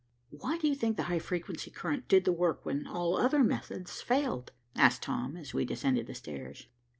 "Why do you think the high frequency current did the work when all other methods failed?" asked Tom, as we descended the stairs.